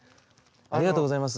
ありがとうございます。